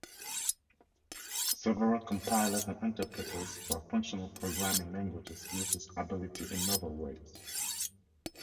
Several compilers and interpreters for functional programming languages use this ability in novel ways.